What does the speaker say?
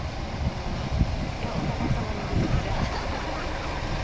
いやお互い様にですねじゃあ。